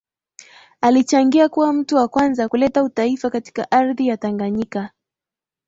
alichangia kuwa mtu wa kwanza kuleta utaifa katika ardhi ya Tanganyika